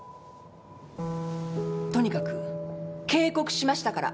とにかく警告しましたから。